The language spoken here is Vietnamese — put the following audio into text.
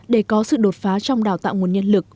để có sự đột phá trong đào tạo nguồn nhân lực